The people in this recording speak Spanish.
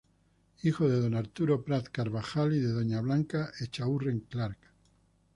Hijo de don Arturo Prat Carvajal y de doña Blanca Echaurren Clark.